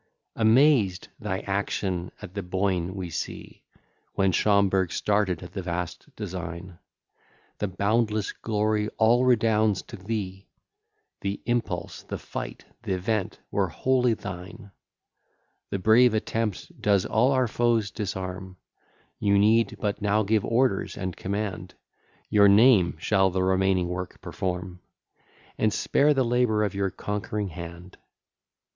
Amazed, thy action at the Boyne we see! When Schomberg started at the vast design: The boundless glory all redounds to thee, The impulse, the fight, th'event, were wholly thine. The brave attempt does all our foes disarm; You need but now give orders and command, Your name shall the remaining work perform, And spare the labour of your conquering hand.